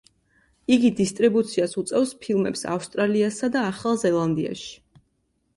იგი დისტრიბუციას უწევს ფილმებს ავსტრალიასა და ახალ ზელანდიაში.